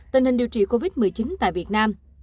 tình hình điều trị covid một mươi chín tại việt nam